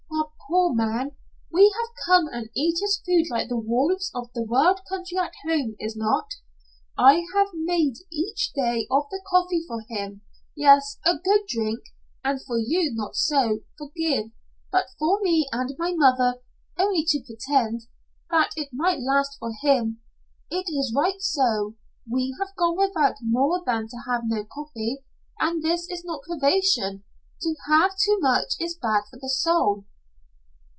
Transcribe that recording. Ah, poor man! We have come and eat his food like the wolves of the wild country at home, is not? I have make each day of the coffee for him, yes, a good drink, and for you not so good forgive, but for me and my mother, only to pretend, that it might last for him. It is right so. We have gone without more than to have no coffee, and this is not privation. To have too much is bad for the soul."